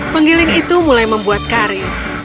penggiling itu mulai membuat kari